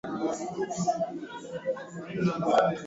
visababishi vikuu vya ubora wa hewa ya mahali hapo Vyanzo vya uchafuzi